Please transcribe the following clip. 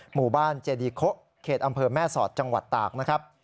หมู่บ้านเจดีโคเขตอำเภอแม่สอดจังหวัดตากนะครับ